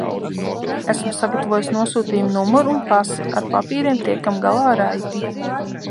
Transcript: Esmu sagatavojusi nosūtījuma numuru un pasi, ar papīriem tiekam galā raiti.